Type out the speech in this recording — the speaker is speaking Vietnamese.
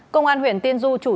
công an huyện tiên du